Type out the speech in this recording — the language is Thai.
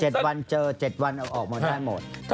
เจ็ดวันเจอเจ็ดวันเอาออกมาเป็นทั้งหมด